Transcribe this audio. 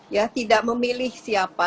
ya tidak memilih siapa